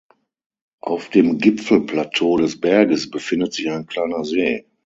Auf dem Gipfelplateau des Berges befindet sich ein kleiner See.